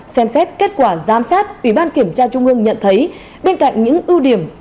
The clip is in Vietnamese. xem xét kết quả giám sát ủy ban kiểm tra trung ương nhận thấy bên cạnh những ưu điểm